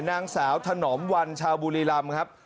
นางสาวถนอมวันชาวบุรีรำครับ